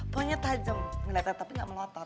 pokoknya tajam ngeliatnya tapi gak melotot